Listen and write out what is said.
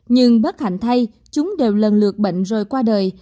nhưng bất hạnh thay chúng đều lần lượt bệnh rồi qua đời